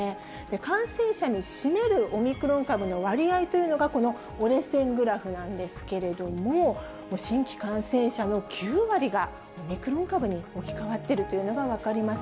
感染者に占めるオミクロン株の割合というのが、この折れ線グラフなんですけれども、新規感染者の９割がオミクロン株に置き換わってるというのが分かります。